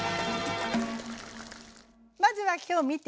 まずは今日見て。